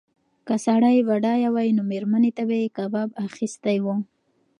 که سړی بډایه وای نو مېرمنې ته به یې کباب اخیستی و.